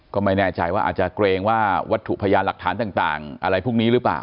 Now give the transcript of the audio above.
ก็ไม่แน่ใจว่าอาจจะเกรงว่าวัตถุพยานหลักฐานต่างอะไรพวกนี้หรือเปล่า